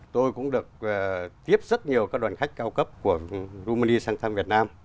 tôi cũng được tiếp rất nhiều các đoàn khách cao cấp của rumani sang thăm việt nam